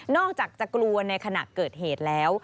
อกจากจะกลัวในขณะเกิดเหตุแล้ว